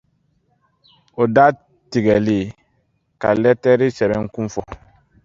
o Datigɛli: ka lɛtɛrɛ sɛbɛnkun fɔ